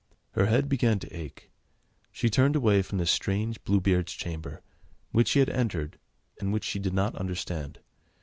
Her head began to ache, she turned away from this strange Blue Beard's chamber, which she had entered, and which she did not understand.